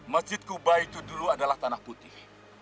masjid kuba itu dulu adalah tanah putih